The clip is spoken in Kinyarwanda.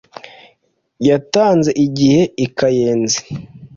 yatanze igihe i kayenzi.